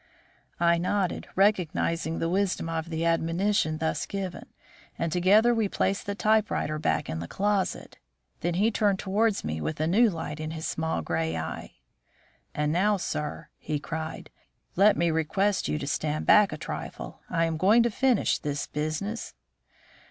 I nodded, recognising the wisdom of the admonition thus given, and together we placed the typewriter back in the closet. Then he turned towards me with a new light in his small grey eye. "And now, sir," he cried, "let me request you to stand back a trifle. I am going to finish this business."